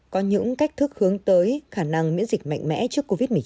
có những cách thức hướng tới khả năng miễn dịch mạnh mẽ trước covid một mươi chín